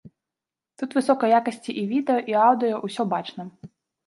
Тут высокай якасці і відэа і аўдыё, усё бачна.